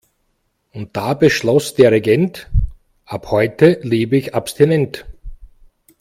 Und da beschloss der Regent: Ab heute lebe ich abstinent.